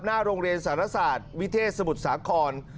หน้าโรงเรียนสารศาสตร์วิเทศสมุทรสาคร